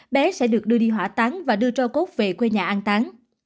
bé sẽ được đưa đi hỏa táng và đưa cho cốt về quê nhà an tán